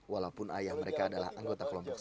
walaupun ayah mereka adalah anggota kelompok